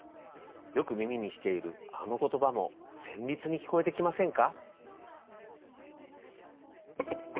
よく耳にしているあのことばもせんりつにきこえてきませんか？